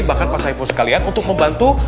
bahkan pak saiful sekalian untuk membantu